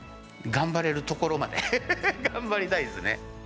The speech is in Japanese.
頑張れるところまで頑張りたいですね。